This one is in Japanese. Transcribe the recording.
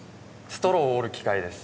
ストローを折る機械です。